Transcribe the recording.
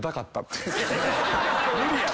無理やろ。